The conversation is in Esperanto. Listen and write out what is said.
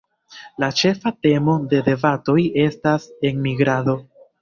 La ĉefa temo de debatoj estas enmigrado.